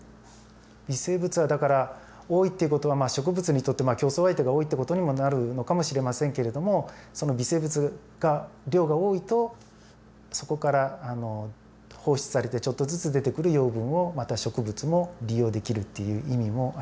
微生物はだから多いっていう事は植物にとって競争相手が多いって事にもなるのかもしれませんけれどもその微生物が量が多いとそこから放出されてちょっとずつ出てくる養分をまた植物も利用できるっていう意味もあります。